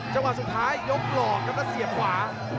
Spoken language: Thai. จังหวะสุดท้ายยกหลอกครับแล้วเสียบขวา